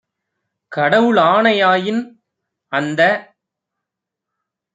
கடவுளாணை யாயின், அந்த